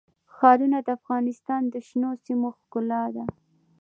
ښارونه د افغانستان د شنو سیمو ښکلا ده.